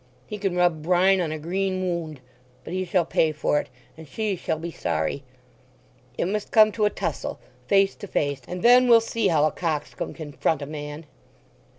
He can rub brine on a green wound!... But he shall pay for it, and she shall be sorry. It must come to a tussle—face to face; and then we'll see how a coxcomb can front a man!"